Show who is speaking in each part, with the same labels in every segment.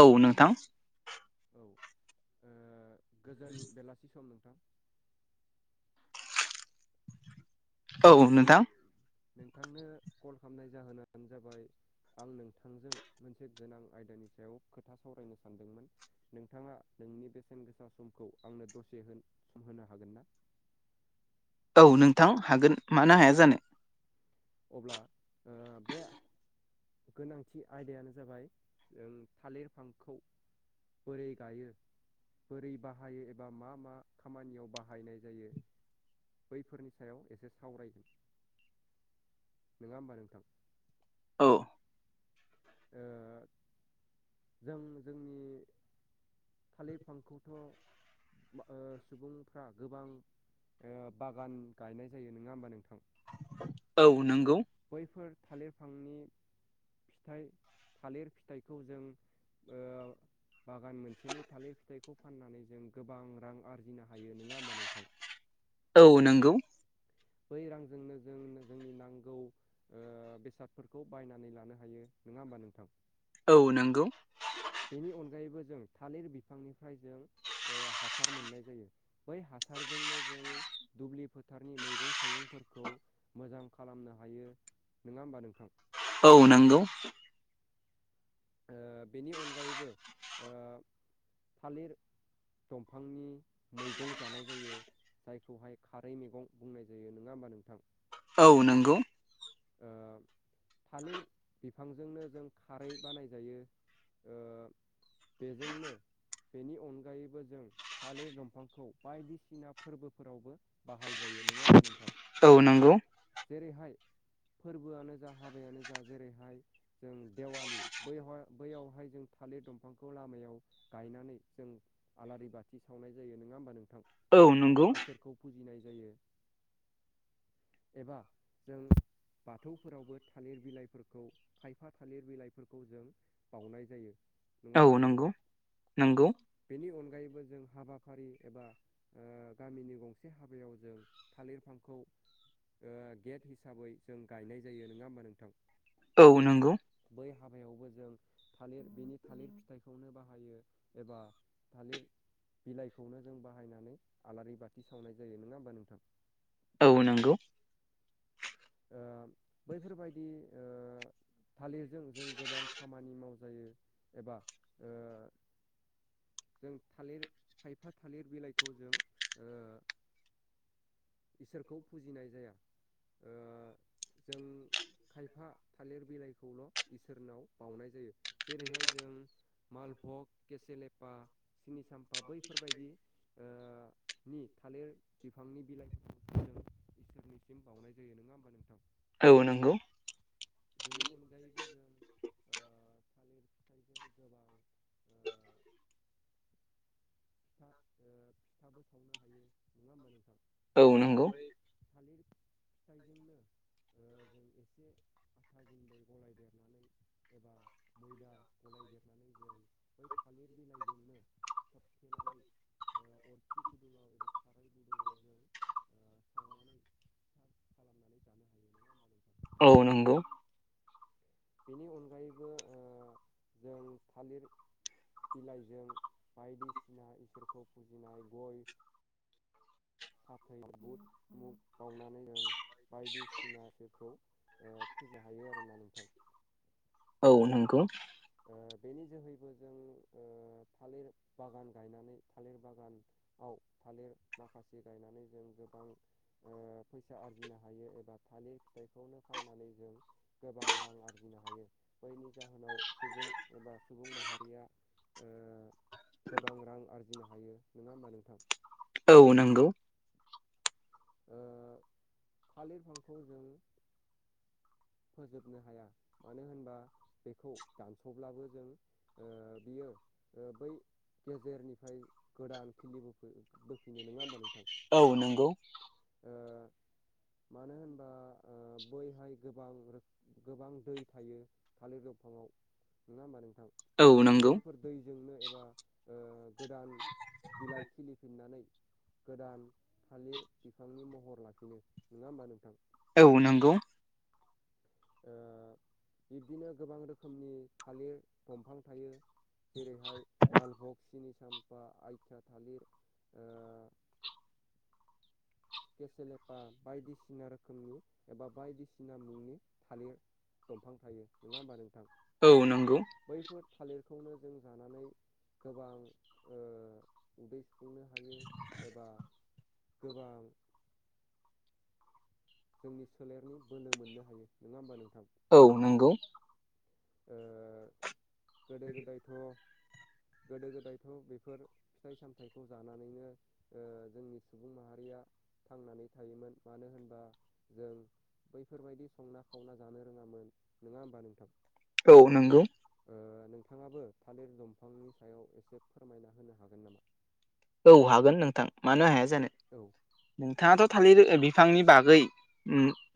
Speaker 1: औ नोंथां
Speaker 2: औ ओ गोजोन बेलासि सम नोंथां।
Speaker 1: औ
Speaker 2: नों
Speaker 1: नोंथां
Speaker 2: नोंथांनो कल खालामनाय जाहोनानो जाबाय आं नोंथांजों मोनसे गोनां आयदानि सायाव खोथा सावरायनो सानदोंमोन। नोंथाङा नोंनि बेसेन गोसा समखौ आंनो दसे सम होनो हागोन ना?
Speaker 1: औ नोंथां हागोन मानो हाया जानो।
Speaker 2: अब्ला ओ बे गोनांथि आयदायानो जाबाय जों थालिर बिफांखौ बोरै गायो बोरै बाहायो एबा मा मा खामानियाव बाहायनाय जायो। बैफोरनि सायाव एसे सावरायगोन। नङा होमबा नोंथां।
Speaker 1: औ
Speaker 2: ओ जों जोंनि थालिर बिफांखौथ' ओ सुबुंफ्रा गोबां ओ बागान गायनाय जायो नङा होमबा नोंथां?
Speaker 1: औ नंगौ।
Speaker 2: बैफोर थालिर बिफांनि फिथाइ थालिर फिथाइखौ जों ओ बागान मोनसेनि थालिर फिथाइखौ फाननानै जों गोबां रां आरजिनो हायो नङा होमबा नोंथां?
Speaker 1: औ नंगौ।
Speaker 2: बै रांजोंनो जों जोंनि नांगौ ओ बेसादफोरखौ बायनानै लानो हायो नङा होमबा नोंथां।
Speaker 1: औ नोंगौ।
Speaker 2: बेनि अनगायैबो जों थालिर बिफांनिफ्राय जों हासार ओ मोननाय जायो। बै हासारजोंनो जों दुब्लि फोथारनि मैगं थाइगंफोरखौ मोजां खालामनो हायो नङा होमबा नोंथां।
Speaker 1: औ नंगौ।
Speaker 2: ओ बेनि अनगायैबो ओ थालिर दंफांनि मैगं जानाय जायो। जायखौहाय खारै मैगं बुंनाय जायो नङा होमबा नोंथां।
Speaker 1: औ नोंगौ।
Speaker 2: ओ थालिर बिफांजोंनो जों खारै बानायजायो ओ बेजोंनो बेनि अनगायैबो जों थालिर दंफांखौ बायदिसिना फोरबोफोरावबो बाहाय जायो नङा होमबा नोंथां
Speaker 1: औ नंगौ
Speaker 2: जेरैहाय फोरबोआनो जा हाबायानो जा जेरैहाय जों देवालि बैहा बैयावहाय जों थालिर दंफांखौ लामायाव गायनानै जों आलारि बाथि सावनाय जायो नङा होमबा नोंथां?
Speaker 1: औ नंगौ
Speaker 2: एबा इसोरखौ फुजिनाय जायो एबा जों बाथौफोरावबो थालिर बिलाइफोरखौ खायफा थालिर बिलाइफोरखौ जों बाउनाय जायो। नङा
Speaker 1: औ
Speaker 2: होमबा नोंथां?
Speaker 1: नंगौ नंगौ
Speaker 2: बेनि अनगायैबो जों हाबाफारि एबा ओ गामिनि गंसे हाबायाव जों थालिर बिफांखौ ओ गेट हिसाबै जों गायनाय जायो नोङा होमबा नोंथां?
Speaker 1: औ नंगौ।
Speaker 2: बै हाबायावबो जों थालिर बिनि थालिर फिथाइखौनो बाहायो एबा थालिर बिलाइखौनो जों बाहायनानै आलारि बाथि सावनाय जायो, नङा होमबा नोंथां?
Speaker 1: औ नंगौ।
Speaker 2: बैफोरबायदि थालिरजों जों गोबां खामानि माव जायो एबा ओ जों थालिर खायफा थालिर बिलाइखौ जों ओ इसोरखौ फुजिनाय जाया। ओ जों खायफा थालिर बिलाइखौल' इसोरनाव बावनाय जायो। जेरैहाय जों मालभग केसे लेपा सिनि साम्फा बैफोरबायदि नि थालिर बिफांनि बिलाइफोरखौ जों इसोरनिसिम बावनाय जायो नङा होमबा नोंथां?
Speaker 1: औ नंगौ।
Speaker 2: बिनि अनगायैबो जों थालिर फिथाइजों गोबां [unintelligible] फिथा फिथाबो सावनो हायो नङा होमबा नोंथां?
Speaker 1: औ नंगौ औ नंगौ
Speaker 2: बै थालिर फिथाइजोंनो जों एसे आथा गुन्दै गलायदेरनानै एबा मैदा गलायदेरनानै जों बै थालिर बिलाइजोंनो थ थेनानै अरखि गुदुङाव एबा खाराय गुदुङाव जों ओ सावनानै थाब खालामनानै जानो हायो। होमबा नोंथां
Speaker 1: औ नंगौ।
Speaker 2: बेनि अनगायैबो जों थालिर बिलाइजों बायदिसिना इसोरखौ फुजिनाय गय फाथै बुद मुग बावनानै जों बायदिसिनाखौ फुजा हायो आरोना नोंथां।
Speaker 1: औ नंगौ।
Speaker 2: बेनि जोहैबो जों थालिर बागान गायनानै थालिर बागान आव थालिर माखासे गायनानै जों गोबां ओ फैसा आरजिनो हायो एबा थालिर फिथाइखौनो फाननानै जों गोबां रां आरजिनो हायो बैनि जाहोनाव सुबुं एबा सुबुं माहारिया ओ गोबां रां आरजिनो हायो नङा होमबा नोंथां?
Speaker 1: औ नंगौ।
Speaker 2: थालिर फांखौ जों फोजोबनो हाया मानो होनबा बेखौ दानस'ब्लाबो जों बियो बै गेजेरनिफ्राय गोदान खिलि बफै बोफिनो नङा होमबा नोंथां?
Speaker 1: औ नंगौ।
Speaker 2: ओ मानो होनबा? बैहाय गोबां रोखोम गोबां दै थायो थालिर दंफाङाव नङा होमबा नोंथां?
Speaker 1: औ नंगौ
Speaker 2: बैफोर दैजोंनो एबा गोदान बिलाइ खिलिफिननानै गोदान थालिर बिफांनि महर लाफिनो, नङा होमबा नोंथां?
Speaker 1: औ नंगौ।
Speaker 2: ओ बिब्दिनो गोबां रोखोमनि थालिर दंफां थायो। जेरैहाय मालभग सिनि साम्फा आइथिया थालिर केसेलेपा बायदिसिना रोखोमनि एबा बायदिसिना मुंनि थालिर। दंफां थायो नङा होमबा नोंथां।
Speaker 1: औ नंगौ
Speaker 2: बैफोर थालिरखौनो जों जानानै गोबां ओ उदै सुफुंनो हायो एबा गोबां जोंनि सोलेरनि बोलो मोननो हायो नङा होमबा नोंथां।
Speaker 1: औ नंगौ।
Speaker 2: गोदो गोदायथ' गोदो गोदायथ' बेफोर फिथाइ सामथायाइखौ जानानैनो जोंनि सुबुं माहारिया थांनानै थायोमोन मानो होनबा जों बैफोरबायदि संना खावना जानो रोङामोन नङा होमबा नोंथां?
Speaker 1: औ नंगौ
Speaker 2: नोंथाङाबो थालिर दंफांनि सायाव एसे फोरमायना होनो हागोन नामा?
Speaker 1: औ हागोन नोंथां मानो हाया जानो।
Speaker 2: औ
Speaker 1: नोंथाङाथ' थालिर बिफांनि बागै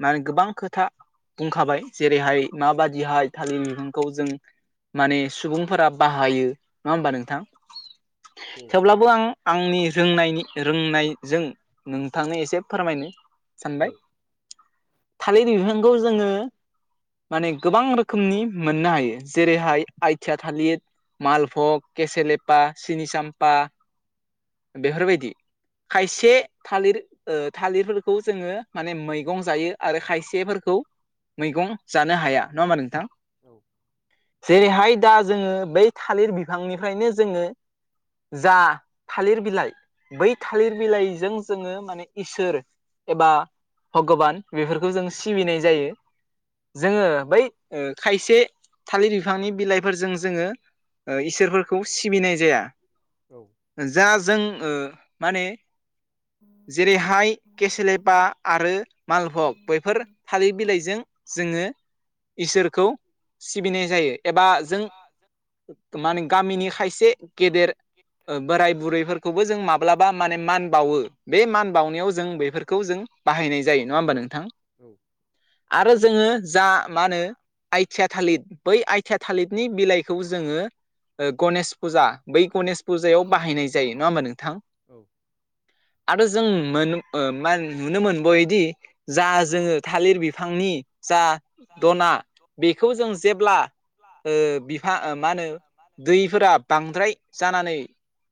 Speaker 1: माने गोबां खोथा बुंखाबाय जेरैहाय माबादिहाय थालिर बिफांखौ जों माने सुबुंफोरा बाहायो नङा होमबा नोंथां
Speaker 2: औ
Speaker 1: थेवब्लाबो आं आंनि रोंनायनि रोंनायजों नोंथांनो एसे फोरमायनो
Speaker 2: औ
Speaker 1: सानबाय। थालिर बिफांखौ जोङो माने गोबां रोखोमनि मोननो हायो जेरैहाय आइथिया थालिर मालभग केसेलेपा सिनिसाम्पा बेफोरबायदि खायसे थालिर थालिरफोरखौ जोङो माने मैगं जायो आरो खायसेफोरखौ मैगं जानो हाया नङा होमबा नोंथां।
Speaker 2: औ
Speaker 1: जेरैहाय दा जोङो बै थालिर बिफांनिफ्रायनो जोङो जा थालिर बिलाइ बै थालिर बिलाइजों जोङो माने इसोर एबा भगबान बेफोरखौ जों सिबिनाय जायो। जोङो बै खायसे थालिर बिफांनि बिलाइफोरजों जोङो इसोरफोरखौ सिबिनाय जाया।
Speaker 2: औ
Speaker 1: जा जों माने
Speaker 2: [inaudible]
Speaker 1: जेरैहाय केसेलेपा आरो मालभग बेैफोर थालिर बिलाइजों जोङो इसोरखौ सिबिनाय जायो एबा जों माने गामिनि खायसे गेदेर बोराय बुरैफोरखौबो जों माब्लाबा माने मान बावो बे मान बावनायाव जों बेफोरखौ जों बाहायनाय जायो नङा
Speaker 2: औ
Speaker 1: हबा नोंथां
Speaker 2: औ
Speaker 1: आरो जोङो जा मा होनो आइथिया थालिरि बै आइथिया थालिरनि बिलाइखौ जोङो गणेश फुजा बै गणेश फुजायाव बाहायनाय जायो नङा होमबा नोंथां।
Speaker 2: औ
Speaker 1: आरो जों मोन मा नुनो मोनबोयदि जा जोङो थालिर बिफांनि जा दना बेखौ जों जेब्ला बिफा मा होनो दैफोरा बांद्राय जानानै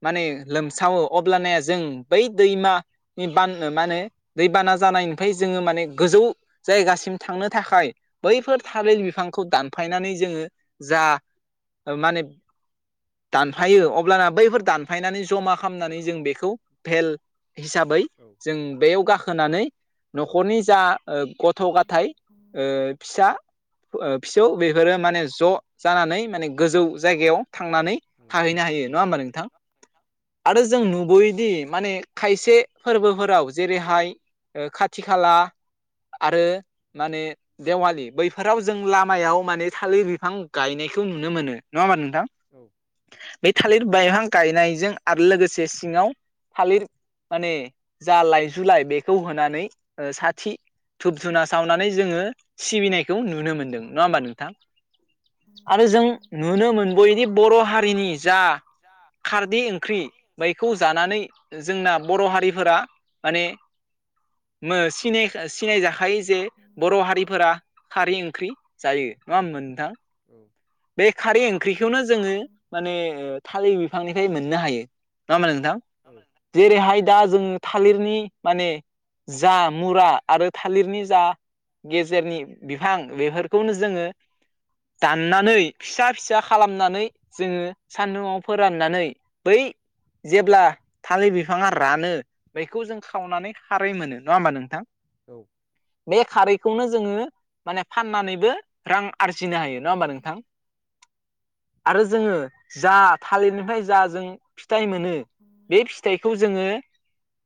Speaker 1: माने लोमसावो अब्लाना जों बै दैमा ब मा होनो दैबाना जानायनिफ्राय जोङो माने गोजौ जायगासिम थांनो थाखाय बैफोर थालिर बिफांखौ दानफायनानै जोङो जा माने दानफायो अब्लाना बैफोर दानफायनानै जमा खालामनानै जों बेखौ भेल हिसाबै
Speaker 2: औ।
Speaker 1: जों बेयाव गाखोनानै न'खरनि जा ओ गथ' गथाय ओ फिसा ओ फिसौ बेफोरो माने ज' जानानै माने गोजौ जायगायाव थांनानै थाहैनो हायो नङा होमबा नों
Speaker 2: न नोंथां।
Speaker 1: आरो जों नुबोयोदि माने खायसे फोरबोफोराव जेरैहाय ओ खाथि खाला आरो माने देवालि बैफोराव जों लामायाव माने थालिर बिफां गायनायखौ नुनो मोनो नङा होमबा नोंथां?
Speaker 2: औ।
Speaker 1: बे थालिर बायहां गायनायजों आरो लोगोसे सिङाव थालिर माने जा लाइजुलाइ बेखौ होनानै ओ साथि धुुब धुना सावनानै जोङो सिबिनायखौ नुनो मोन्दों। नङा होमबा नोंथां आरो जों नुनो मोनबोयोदि बर' हा
Speaker 2: बर' हारि जा
Speaker 1: खारदै ओंख्रि बैखौ जानानै जोंना बर' हारिफोरा माने मोनै सिनाय सिनायजाखायो जे बर' हारिफोरा खारै ओंख्रि जायो नङा होमबा नोंथां। बे खारै ओंख्रिखौनो जोङो माने थालिर बिफांनिफ्राय मोननो हायो नङा होमबा नोंथां।
Speaker 2: आङो
Speaker 1: जेरैहाय दा जों थालिरनि माने जा मुरा आरो थालिरनि जा गेजेरनि बिफां बेफोरखौनो जोङो दाननानै फिसा फिसा खालामनानै जोङो सान्दुंआव फोराननानै बै जेब्ला थालिर बिफाङा रानो बेखौ जों खावनानै खारै मोनो नङा होनबा नोंथां?
Speaker 2: औ।
Speaker 1: बे खारैखौनो जोङो माने फाननानैबो रां आरजिनो हायो नङा होमबा नोंथां आरो जोङो जा थालिरनिफ्राय जा जों फिथाइ मोनो बे फिथाइखौ जोङो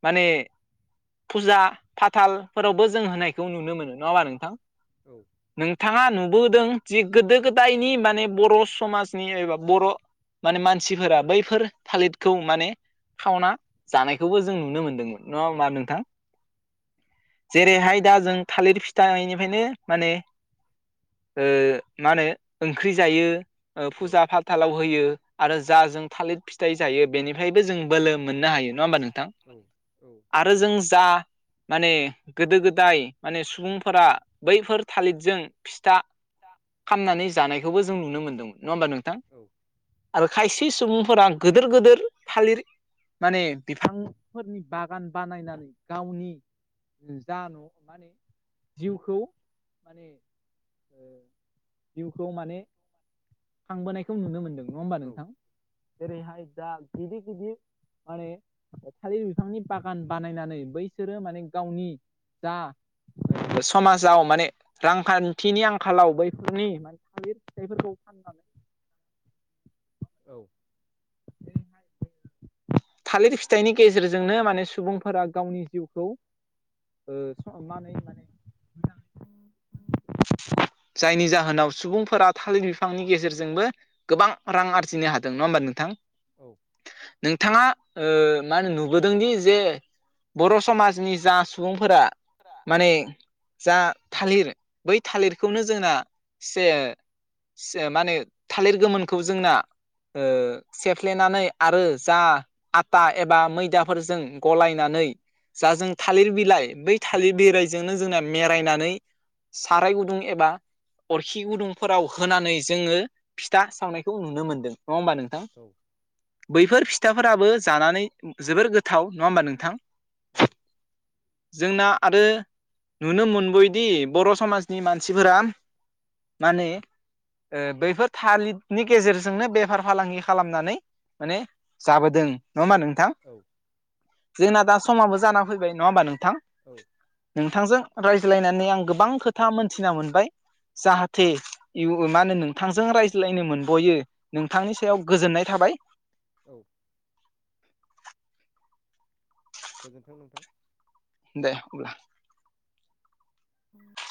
Speaker 1: माने फुजा फाथालफोरावबो जों होनायखौ नुनो मोनो नङा होनबा नोंथां?
Speaker 2: औ।
Speaker 1: नोंथाङा नुबोदों जे गोदो गोदायनि माने बर' समाजनि एबा बर'। माने मानसिफोरा बैफोर थालिरखौ माने खावना जानायखौबो जों नुनो मोनदोंमोन। नङा होमबा नोंथां। जेरैहाय दा जों थालिर फिथाइनिफ्रायनो माने ओ मा होनो ओंख्रि जायो। ओ फुजा फाथालाव होयो आरो जा जों थालिर फिथाइ जायो बेनि बेहायबो जों बोलो मोननो हायो नङा होमबा नोंथां आरो जों जा माने गोदो गोदाय माने सुबुंफोरा बैफोर थालिरजों फिथा खामनानै जानायखौबो जों नुनो मोनदोंमोन नङा होमबा नोंथां?
Speaker 2: औ।
Speaker 1: आरो खायसे सुबुंफोरा गोदोर गोदोर थालिर माने बिफांफोरनि बागान बानायनानै गावनि जा न' माने जिउखौ माने जिउखौ माने खांबोनायखौ नुनो मोनदों नङा होमबा
Speaker 2: औ
Speaker 1: नोंथां? जेरै हाय जा गिदिर गिदिर माने थालिर बिफांनि बागान बानायनानै बैसोरो माने गावनि जा समाजाव माने रांखान्थिनि आंखालाव बैफोरनि थालिर फिथाइफोरखौ फाननानै
Speaker 2: औ
Speaker 1: जेरैहाय थालिर फिथाइनि गेजेरजोंनो माने सुबुंफोरा गावनि जिउखौ ओ संनानै
Speaker 2: [inaudible]
Speaker 1: जायनि जाहोनाव सुबुंफोरा थालिर बिफांनि गेजेरजोंबो गोबां रां आरजिनो हादों नङा होमबा नोंथां
Speaker 2: औ
Speaker 1: नोंथाङा मा होनो नुबोदों दि जे बर' समाजनि जा सुबुंफोरा
Speaker 2: फोरा
Speaker 1: माने जा थालिर बै थालिरखौनो जोंना से मा होनो थालिर गोमोनखौ जोंना सेफ्लेनानै आरो जा आटा एबा मैदाफोरजों गलायनानै जा जों थालिर बिलाइ बै थालिर बिलाइजोंनो जोंना मेरायनानै साराय गुदुं एबा अरखि गुदुंफोराव होनानै जोङो फिथा सावनायखौ नुनो मोनदों नङा होमबा नोंथां
Speaker 2: औ
Speaker 1: बैफोर फिथाफोराबो जानानै जोबोर गोथाव नङा होमबा नोंथां?
Speaker 2: औ
Speaker 1: जोंना आरो नुनो मोनबोयदि बर' समाजनि मानसिफोरा माने बैफोर थालिरनि गेजेरजोंनो बेफार फालांगि खालामनानै माने जाबोदों नङा होमबा नोंथां
Speaker 2: औ
Speaker 1: जोंना दा समाबो जाना फैबाय नङा होमबा नोंथां
Speaker 2: औ
Speaker 1: नोंथांजों रायज्लायनानै आं गोबां खोथा मोनथिना मोनबाय जाहाथे इउ मा होनो नोंथांजों रायज्लायनो मोनबयो नोंथांनि सायाव गोजोननाय थाबाय।
Speaker 2: औ गोजोन्थों नोंथां।
Speaker 1: दे हब्ला।
Speaker 2: [inaudible]